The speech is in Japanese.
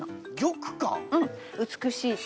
うん美しい玉。